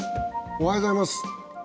おはようございます。